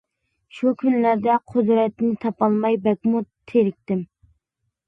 شۇ كۈنلەردە قۇدرەتنى تاپالماي بەكمۇ تېرىكتىم.